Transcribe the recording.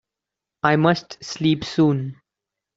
I must sleep soon.